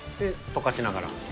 溶かしながら？